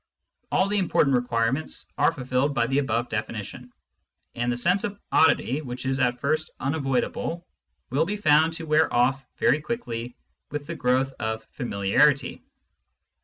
All the important requirements are fulfilled by the above defini tion, and the sense of oddity which is at first unavoidable will be found to wear oflF very quickly with the growth of familiarity.